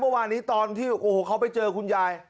เมื่อวานนี้ตอนที่โอ้โหเขาไปเจอคุณยาย